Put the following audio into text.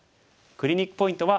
クリニックポイントは。